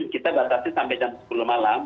kita batasi sampai jam sepuluh malam